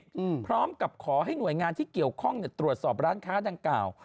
อืมพร้อมกับขอให้หน่วยงานที่เกี่ยวข้องเนี้ยตรวจสอบร้านค้าดังกล่าว